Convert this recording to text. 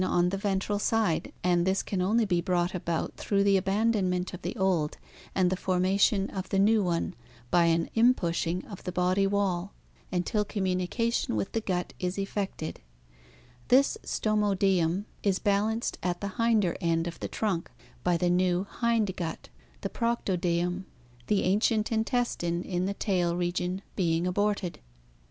on the ventral side and this can only be brought about through the abandonment of the old and the formation of the new one by an inpushing of the body wall at st until communication with the gut is effected. This stomodaeum (Gr. orrf/ia, mouth, and haUiv, to divide) is balanced at the hinder end of the trunk by the new hind gut, the proctodeum (Gr. v/xotcrtk, anus), pr, the ancient intestine in the tail region being aborted.